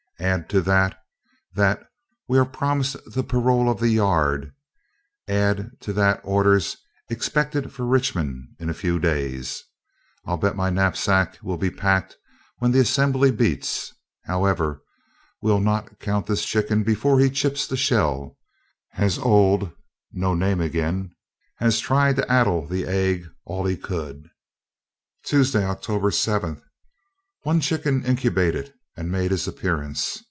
Add to that that we are promised the parole of the yard; add to that orders expected for Richmond in a few days. I'll bet my knapsack will be packed when the assembly beats. However, we'll not count this chicken before he chips the shell, as old has tried to addle the egg all he could. Tuesday, October 7. One chicken incubated and made his appearance.